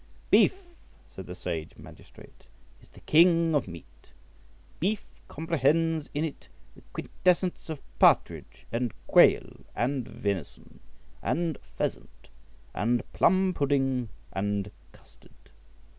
"Beef," said the sage magistrate, "is the king of meat; beef comprehends in it the quintessence of partridge, and quail, and venison, and pheasant, and plum pudding, and custard."